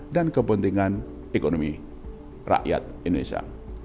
dan kepentingan ekonomi rakyat indonesia